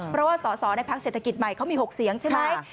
เพราะว่าสอสอในพักเศรษฐกิจใหม่เขามี๖เสียงใช่ไหม